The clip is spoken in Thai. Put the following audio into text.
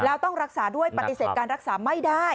แล้วต้องรักษาด้วยปฏิเสธการรักษาไม่ได้